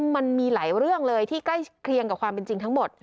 มันมีหลายเรื่องเลยที่ใกล้เคียงกับความเป็นจริงทั้งหมด